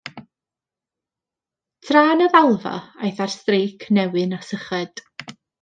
Tra yn y ddalfa, aeth ar streic newyn a syched.